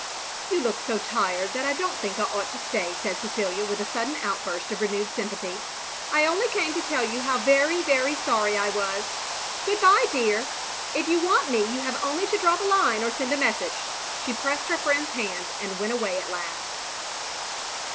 "You look so tired that I don*t think I ought to stay," said Cecilia, with a sudden outburst of renewed sympathy. " I only came to tell you how very, very sorry I was. Good bye, dear. If you want me you have only to drop me a line, or send a message. " She pressed her friend's hand, and went away at last.